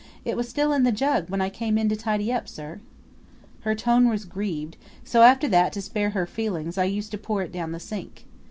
"It was still in the jug when I came in to tidy up, sir." Her tone was grieved; so, after that, to spare her feelings, I used to pour it down the sink.